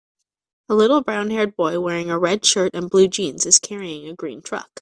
A little brownhaired boy wearing a red shirt and blue jeans is carrying a green truck.